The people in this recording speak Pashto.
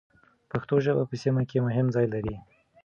پښتو ژبه په سیمه کې مهم ځای لري.